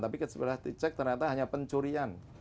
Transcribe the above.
tapi setelah dicek ternyata hanya pencurian